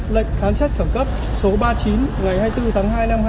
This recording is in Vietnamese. lệnh khám xét khẩn cấp số ba mươi chín ngày hai mươi bốn tháng hai năm hai nghìn hai mươi